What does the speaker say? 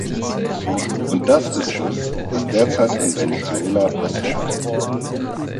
Und das ist es, was derzeit in Venezuela passiert.